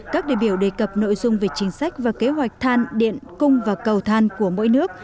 các đề biểu đề cập nội dung về chính sách và kế hoạch than điện cung và cầu than của mỗi nước